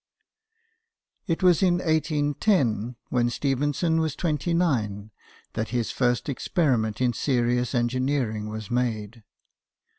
It was in 1810, when Stephenson was twenty nine:, that his first experiment in serious en gineering was made.